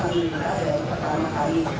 kami berada di kota ramakari